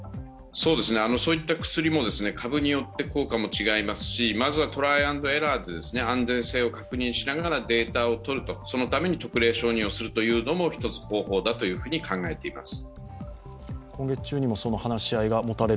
そういった薬も、株によって効果も違いますし、まずはトライアンドエラーで安全性を確認しながらデータをとると、そのために特例承認をするというのも一つ方法だというふうに考えています。